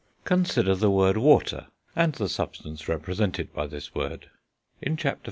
Consider the word water, and the substance represented by this word. In Chapter IV.